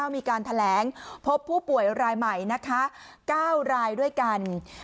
มีการแถลงพบผู้ป่วยรายใหม่นะคะ๙รายด้วยกัน